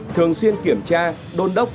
thường xuyên kiểm tra đôn đốc